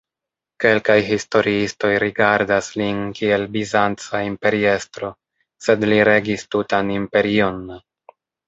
Kelkaj historiistoj rigardas lin kiel Bizanca imperiestro, sed li regis tutan imperion.